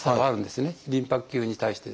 リンパ腫に対して。